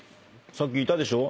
さっきいたでしょ？